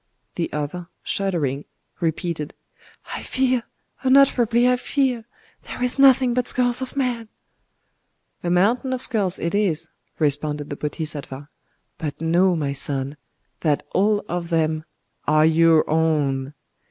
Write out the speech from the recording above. The other, shuddering, repeated:—"I fear!—unutterably I fear!…there is nothing but skulls of men!" "A mountain of skulls it is," responded the Bodhisattva. "But know, my son, that all of them ARE YOUR OWN!